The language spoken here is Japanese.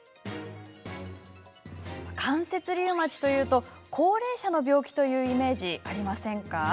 関節リウマチというと高齢者の病気というイメージってありませんか？